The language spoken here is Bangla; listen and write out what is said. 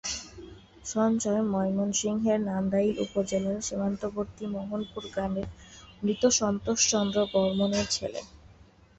সঞ্জয় ময়মনসিংহের নান্দাইল উপজেলার সীমান্তবর্তী মোহনপুর গ্রামের মৃত সন্তোষ চন্দ্র বর্মনের ছেলে।